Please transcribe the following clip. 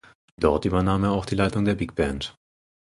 Dort übernahm er auch die Leitung der Bigband.